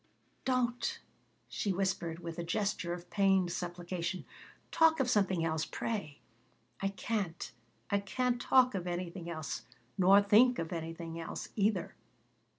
"Don't," she whispered, with a gesture of pained supplication. "Talk of something else, pray." "I can't. I can't talk of anything else. Nor think of anything else, either."